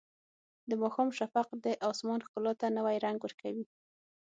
د ماښام شفق د اسمان ښکلا ته نوی رنګ ورکوي.